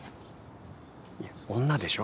いや女でしょ？